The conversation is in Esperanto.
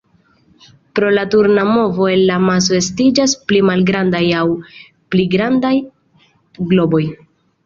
Pro la turna movo el la maso estiĝas pli malgrandaj aŭ pli grandaj globoj.